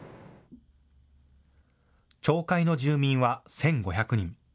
町会の住民は１５００人。